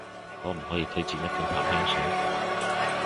可唔可以推薦一款淡香水？